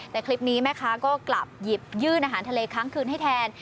แต่คลิปนี้แม่ค้าก็กลับหยิบยื่นอาหารทะเลค้างคืนให้แทน